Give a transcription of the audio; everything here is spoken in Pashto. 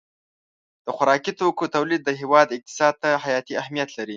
د خوراکي توکو تولید د هېواد اقتصاد ته حیاتي اهمیت لري.